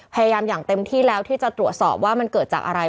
อย่างเต็มที่แล้วที่จะตรวจสอบว่ามันเกิดจากอะไร